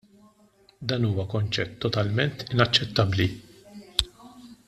Dan huwa konċett totalment inaċċettabbli.